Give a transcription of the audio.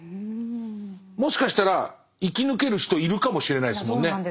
もしかしたら生き抜ける人いるかもしれないですもんね。